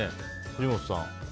藤本さん。